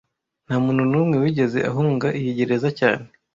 Nta muntu n'umwe wigeze ahunga iyi gereza cyane